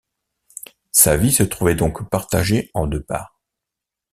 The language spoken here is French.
Sa vie se trouvait donc partagée en deux parts.